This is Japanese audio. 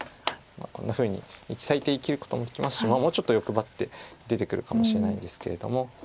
こんなふうに最低生きることもできますしもうちょっと欲張って出てくるかもしれないんですけれども。